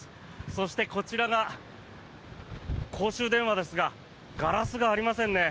そして、こちらが公衆電話ですがガラスがありませんね。